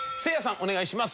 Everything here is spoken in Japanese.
お願いします。